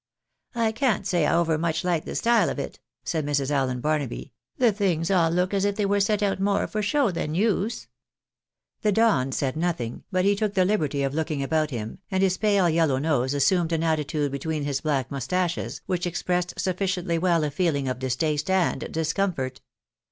" I can't say I overmuch Uke the style of it," said Mrs. Allen Barnaby ; "the things all look as if they were set out more for show than use." '' The Don said nothing, but he took the liberty of looking about Mm, and his pale yellow nose assumed an attitude between his black mustaches which expressed sufficiently well a feeling of distaste and discomfort.